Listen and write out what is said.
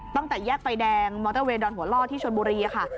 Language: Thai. ตั้งแต่แยกไฟแดงมอเตอร์เวยดอนหัวล่อที่ชนบุรีค่ะ